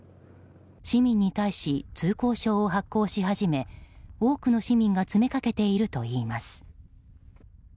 市民に対し通行証を発行し始め多くの市民が詰めかけているといいます。